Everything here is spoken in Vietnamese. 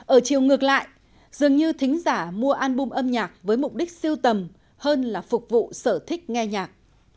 ở chiều ngược lại dường như thính giả mua album âm nhạc với mục đích siêu tầm hơn là phục vụ sở thích nghe nhạc